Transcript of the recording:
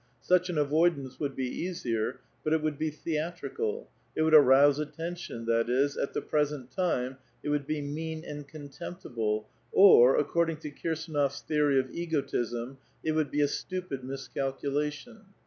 Such an avoidance would be easier, but it would be theatri cal ; it would arouse attention, that is, at the present time it would be mean and contemptible, or, according to Kir s4Qofs theory of egotism, it would be a stupid miscalcu lation.